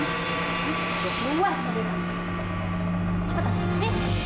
nanti mama tambah marah loh